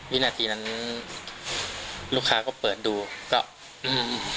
วินอาทีนั้นลูกค้าก็เปิดดู